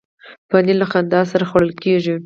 پنېر له خندا سره خوړل کېږي.